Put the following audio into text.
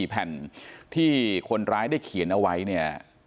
แผ่นที่คนร้ายได้เขียนเอาไว้เนี่ย